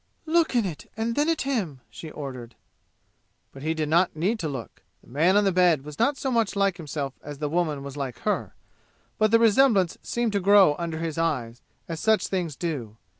"Look in it and then at him!" she ordered. But he did not need to look. The man on the bed was not so much like himself as the woman was like her, but the resemblance seemed to grow under his eyes, as such things do.